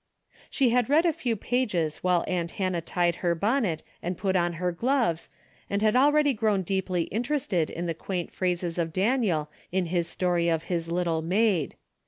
She had read a few pages while aunt Han nah tied her bonnet and put on her gloves, and had already grown deeply interested in the quaint phrases of Daniel in his story of his lit tle maid.